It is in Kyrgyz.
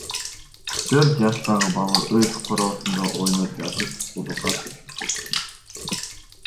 Төрт жаштагы бала өз короосунда ойноп жатып кудукка түшүп кеткен.